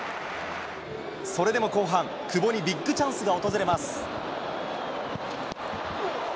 それでも後半、久保にビッグチャンスが訪れます。